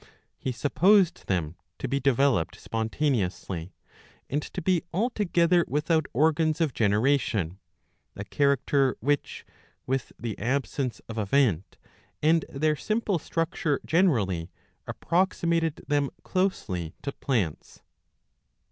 He supposed them to be developed spontaneously,'^ and to be altogether without organs of generation, a character which, with the absence of a vent and their simple structure generally, approximated them closely to plants.